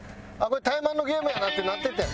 これタイマンのゲームやなってなっててん。